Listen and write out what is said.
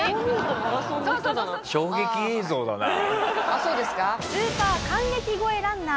あっそうですか？